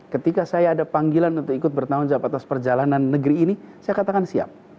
ketika saya ada panggilan untuk ikut bertanggung jawab atas perjalanan negeri ini saya katakan siap